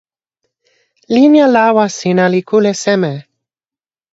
linja lawa sina li kule seme?